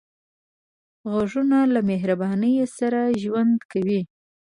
غوږونه له مهرباني سره ژوند کوي